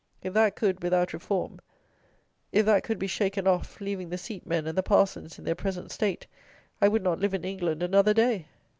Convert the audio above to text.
If that could, without reform: if that could be shaken off, leaving the seat men and the parsons in their present state, I would not live in England another day!